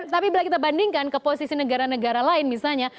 tapi bila kita bandingkan ke posisi negara negara lain misalnya